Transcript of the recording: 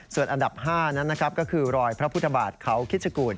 ส่วนอันดับ๕นั้นนะครับก็คือรอยพระพุทธบาทเขาคิดชกูล